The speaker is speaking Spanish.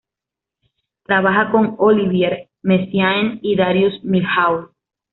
Trabaja con Olivier Messiaen y Darius Milhaud.